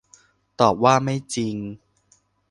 ตอบว่า ไม่จริง